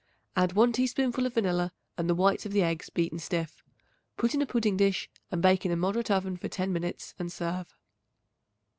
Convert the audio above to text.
Add 1 teaspoonful of vanilla and the whites of the eggs beaten stiff. Put in a pudding dish and bake in a moderate oven for ten minutes and serve.